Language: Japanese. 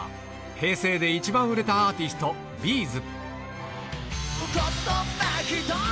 平成で一番売れたアーティスト、Ｂ’ｚ。